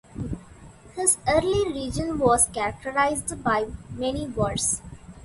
His early reign was characterised by many wars.